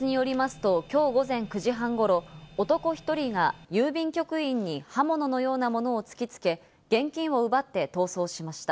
警察によりますときょう午前９時半ごろ、男１人が郵便局員に刃物のようなものを突きつけ、現金を奪って逃走しました。